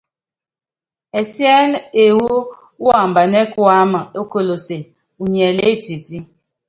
Ɛsíɛ́nɛ́ ewú wambanɛ́ kuáma ókolóse, unyi ɛlɛɛ́ etití.